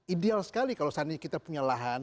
ideal sekali kalau saat ini kita punya lahan